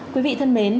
quý vị thân mến